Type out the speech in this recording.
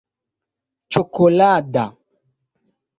ĉokolada